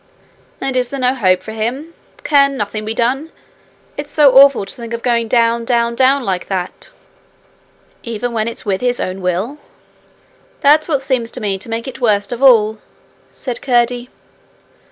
'And is there no hope for him? Can nothing be done? It's so awful to think of going down, down, down like that!' 'Even when it's with his own will?' 'That's what seems to me to make it worst of all,' said Curdie.